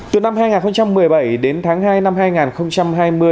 từ năm hai nghìn một mươi bảy đến tháng hai năm hai nghìn hai mươi